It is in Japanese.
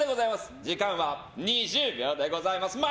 時間は２０秒でございます。